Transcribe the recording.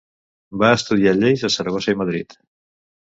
Va estudiar lleis a Saragossa i Madrid.